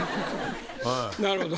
なるほど。